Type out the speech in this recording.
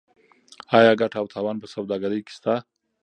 آیا ګټه او تاوان په سوداګرۍ کې شته؟